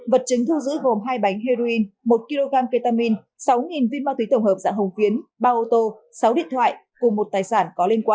vật chứng thu giữ gồm hai bánh heroin một kg ketamine sáu viên ma túy tổng hợp dạng hồng phiến ba ô tô sáu điện thoại cùng một tài sản có liên quan